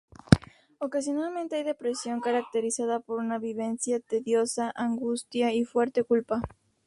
Ocasionalmente hay depresión, caracterizada por una vivencia tediosa, angustia y fuerte culpa.